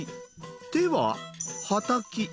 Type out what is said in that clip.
手ははたき。